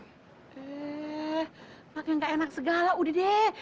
eh makanya gak enak segala udah deh